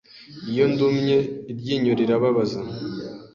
Iyo ndumye, iryinyo rirababaza.